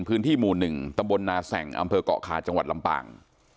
พื้นที่หมู่๑ตนแสงอเกาะคาจลำปาง